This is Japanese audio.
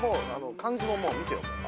漢字ももう見てよ。